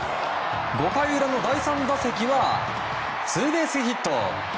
５回裏、第３打席はツーベースヒット。